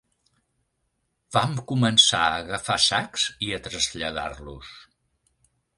Vam començar a agafar sacs i a traslladar-los